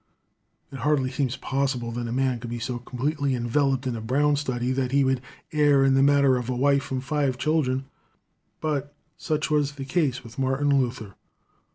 It hardly seems possible that a man could be so completely enveloped in a brown study that he would err in the matter of a wife and five children, but such was the case with Martin Luther.